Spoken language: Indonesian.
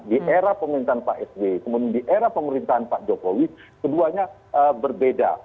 di era pemerintahan pak sby kemudian di era pemerintahan pak jokowi keduanya berbeda